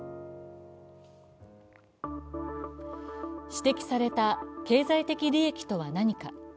指摘された経済的利益とは何か。